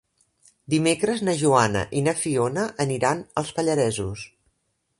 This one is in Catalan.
Dimecres na Joana i na Fiona aniran als Pallaresos.